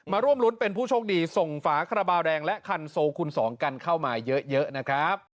ร่วมรุ้นเป็นผู้โชคดีส่งฝาคาราบาลแดงและคันโซคูณ๒กันเข้ามาเยอะนะครับ